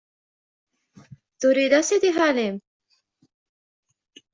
Turiḍ-as i xali-m?